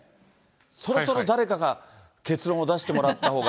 そろそろ誰かが結論を出してもらったほうが。